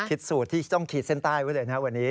สูตรที่ต้องขีดเส้นใต้ไว้เลยนะครับวันนี้